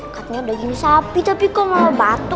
katanya udah gini sapi tapi kok malah batu